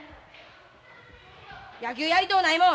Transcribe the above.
野球やりとうないもん。